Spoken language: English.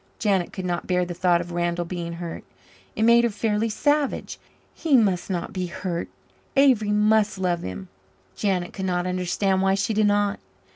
Janet could not bear the thought of Randall being hurt; it made her fairly savage. He must not be hurt Avery must love him. Janet could not understand why she did not.